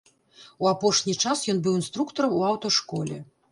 У апошні час ён быў інструктарам у аўташколе.